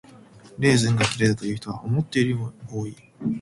レーズンが嫌いだという人は思っているよりも多い。